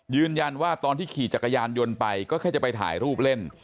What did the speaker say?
ตอนที่ขี่จักรยานยนต์ไปก็แค่จะไปถ่ายรูปเล่น